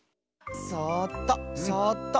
そっとそっと。